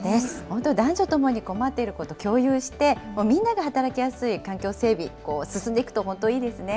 本当、男女ともに困っていること共有して、みんなが働きやすい環境整備、進んでいくと本当いいですね。